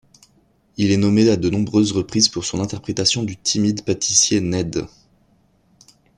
Il est nommé à de nombreuses reprises pour son interprétation du timide pâtissier Ned.